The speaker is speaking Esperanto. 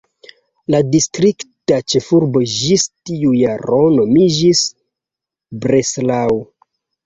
La distrikta ĉefurbo ĝis tiu jaro nomiĝis "Breslau".